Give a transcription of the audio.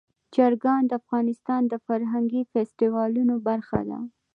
چرګان د افغانستان د فرهنګي فستیوالونو برخه ده.